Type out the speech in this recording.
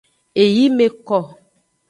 Eyi me ko.